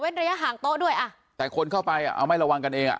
เว้นระยะห่างโต๊ะด้วยแต่คนเข้าไปเอาไม่ระวังกันเอง